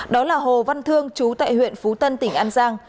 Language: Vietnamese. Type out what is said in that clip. đó là hồ văn thương chú tại huyện phú tân tỉnh an giang